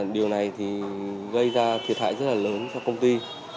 điều này thì gây ra thiệt hại rất là lớn cho công ty